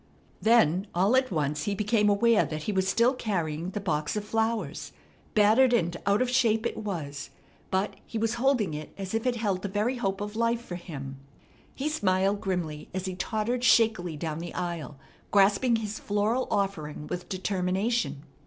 Then all at once he became aware that he was still carrying the box of flowers. Battered and out of shape it was, but he was holding it as if it held the very hope of life for him. He smiled grimly as he tottered shakily down the aisle, grasping his floral offering with determination.